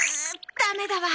ダメだわ。